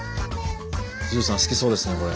ＪＵＪＵさん好きそうですねこれ。